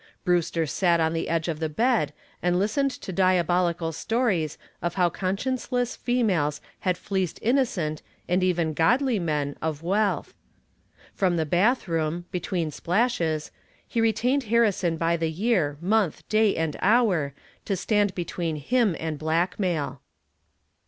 Brewster sat on the edge of the bed and listened to diabolical stories of how conscienceless females had fleeced innocent and even godly men of wealth. From the bathroom, between splashes, he retained Harrison by the year, month, day and hour, to stand between him and blackmail.